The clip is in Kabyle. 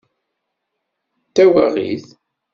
D tawaɣit!